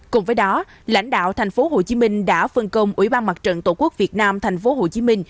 cùng với đó lãnh đạo tp hcm đã phân công ủy ban mặt trận tổ quốc việt nam tp hcm